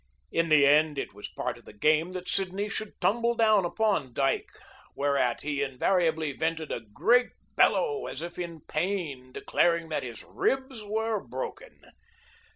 In the end, it was part of the game that Sidney should tumble down upon Dyke, whereat he invariably vented a great bellow as if in pain, declaring that his ribs were broken.